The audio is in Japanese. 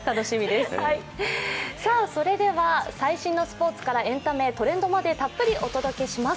最新のスポーツからエンタメまでたっぷりお届けします。